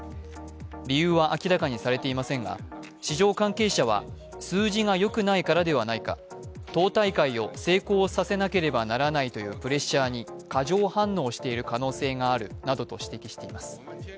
理由は明らかにされていませんが市場関係者は数字がよくないからではないか党大会を成功させなければならないというプレッシャーに過剰反応している可能性があるなどと指摘しています。